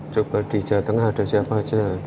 coba di jawa tengah ada siapa aja